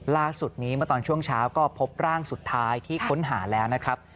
ล่าสุดนี้เมื่อตอนช่วงเช้าก็พบร่างสุดท้ายที่ค้นหาแล้วนะครับ